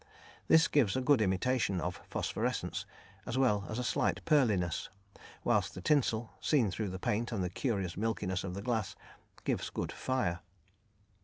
This gives a good imitation of phosphorescence, as well as a slight pearliness, whilst the tinsel, seen through the paint and the curious milkiness of the glass, gives good "fire."